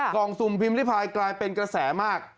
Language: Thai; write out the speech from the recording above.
กล่องสุ่มพิมพ์ริพายกลายเป็นกระแสมาก